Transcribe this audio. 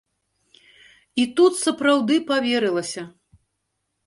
І тут сапраўды паверылася.